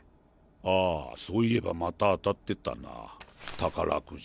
ああそういえばまた当たってたな宝くじ。